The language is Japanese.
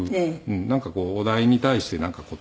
なんかこうお題に対してなんか答えるって。